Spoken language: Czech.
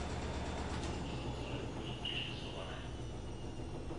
Půl tisíce let po nich přišli Slované.